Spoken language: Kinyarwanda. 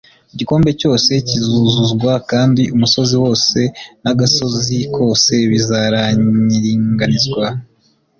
«Igikombe cyose kizuzuzwa, kandi umusozi wose n'agasozi kose bizaringanizwa.»